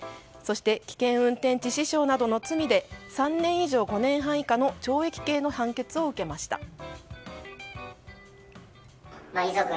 そして危険運転致死傷などの罪で３年以上５年半以下の懲役刑の判決を受けました。